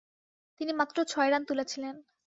তিনি মাত্র ছয় রান তুলেছিলেন।